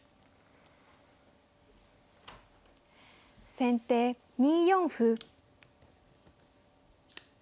先手２四歩。